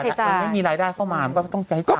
มันไม่มีรายได้เข้ามามันก็ต้องใช้จ่าย